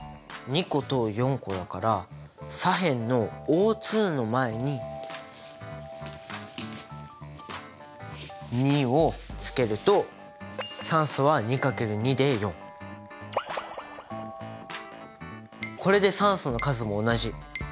２個と４個だから左辺のＯの前に２をつけると酸素はこれで酸素の数も同じ。